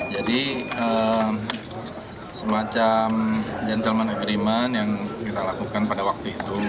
jadi semacam gentleman agreement yang kita lakukan pada waktu itu